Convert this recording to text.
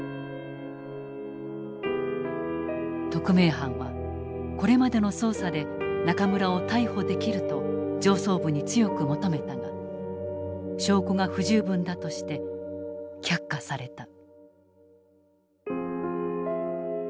特命班はこれまでの捜査で中村を逮捕できると上層部に強く求めたが証拠が不十分だとして却下された。